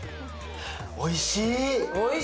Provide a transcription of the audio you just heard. おいしい。